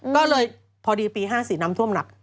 ก็เลยพอดีปี๑๙๕๐ท่วมหนัก